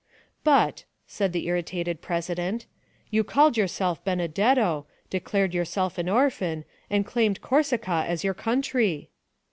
"But," said the irritated president, "you called yourself Benedetto, declared yourself an orphan, and claimed Corsica as your country."